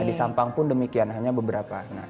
di sampang pun demikian hanya beberapa